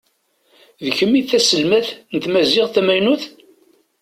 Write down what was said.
D kemm i d taselmadt n tmaziɣt tamaynut?